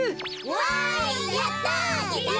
わいやった！